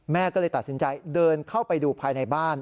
แม่ก็เลยตัดสินใจเดินเข้าไปดูภายในบ้าน